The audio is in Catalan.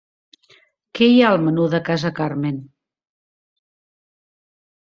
Què hi ha al menú de Casa Carmen?